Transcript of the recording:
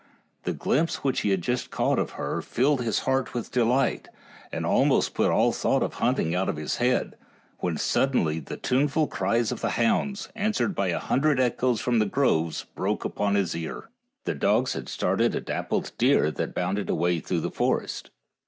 The glimpse which he had just caught of her filled his 49 50 FAIRY TALES heart with delight, and almost put all thought of hunting out of his head, when suddenly the tune ful cries of the hounds, answered by a hundred echoes from the groves, broke upon his ear. The dogs had started a dappled deer that bounded away through the forest.